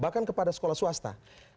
bahkan kepada sekolah swasta